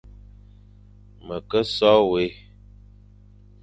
Me ke so wé,